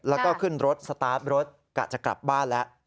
แล้วก็ขึ้นรถสตาร์ทรถกะจะกลับบ้านแล้ว